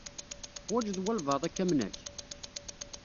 Tuḥwaǧeḍ walebɛaḍ akka am nekk.